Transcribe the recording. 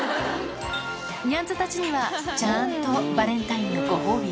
ニャンズたちにはちゃんとバレンタインのご褒美を。